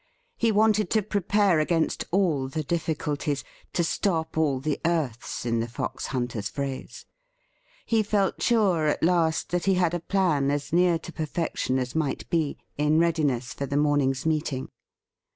He wanted to prepare against all the difficulties — to stop all the earths, in the foxhunter's phrase. He felt sure at last that he had a plan as near to perfection as might be, in readiness for the morning's meeting.